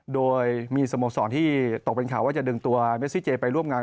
โดยมีสโมสรที่ตกเป็นข่าวว่าจะดึงตัวเมซิเจไปร่วมงาน